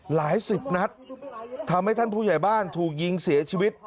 หลายสิบนัดทำให้ท่านผู้ใหญ่บ้านถูกยิงเสียชีวิต